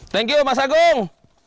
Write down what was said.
terima kasih mas agung